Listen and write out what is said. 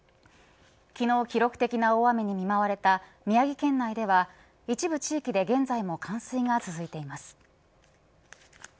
昨日、記録的な大雨に見舞われた宮城県内では一部地域で現在も冠水が続いています。